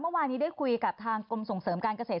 เมื่อวานนี้ได้คุยกับทางกรมส่งเสริมการเกษตร